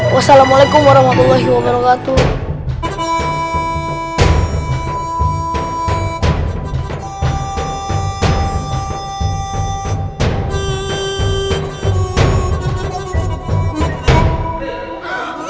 wassalamualaikum warahmatullahi wabarakatuh